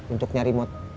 untuk nyari motor